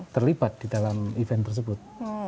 terlibat di dalam event tersebut